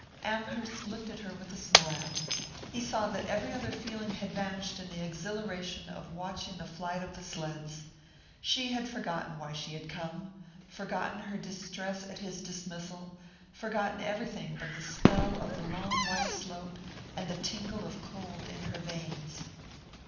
Amherst looked at her with a smile. He saw that every other feeling had vanished in the exhilaration of watching the flight of the sleds. She had forgotten why she had come forgotten her distress at his dismissal forgotten everything but the spell of the long white slope, and the tingle of cold in her veins.